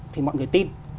thì mọi người tin